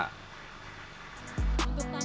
saya akan berusaha untuk membangunnya